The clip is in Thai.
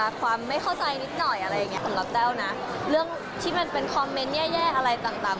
สำหรับเต้านะเรื่องที่มันเป็นคอมเมนต์แย่อะไรต่าง